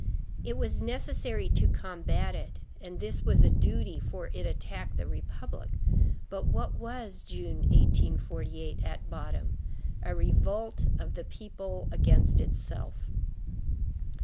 It was necessary to combat it, and this was a duty, for it attacked the republic. But what was June, 1848, at bottom? A revolt of the people against itself.